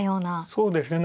そうですね。